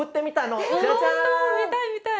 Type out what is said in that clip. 見たい見たい。